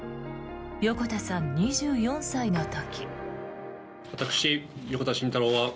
横田さん、２４歳の時。